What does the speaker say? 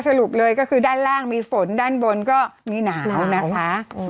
สรุปเลยก็คือด้านล่างมีฝนด้านบนก็มีหนาวนะคะ